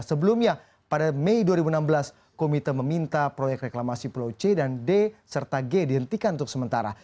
sebelumnya pada mei dua ribu enam belas komite meminta proyek reklamasi pulau c dan d serta g dihentikan untuk sementara